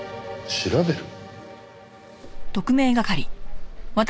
調べる？